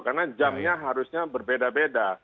karena jamnya harusnya berbeda beda